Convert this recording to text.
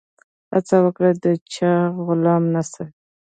هڅه وکړه د چا غلام نه سي.